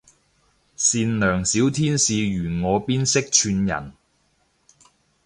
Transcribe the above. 善良小天使如我邊識串人